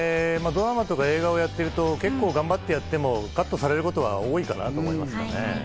ドラマとか映画をやっていると、結構頑張ってやってもカットされることは多いかなと思いますね。